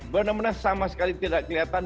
benar benar sama sekali tidak kelihatan